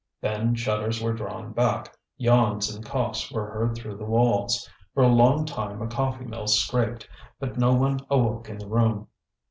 Then shutters were drawn back, yawns and coughs were heard through the walls. For a long time a coffee mill scraped, but no one awoke in the room.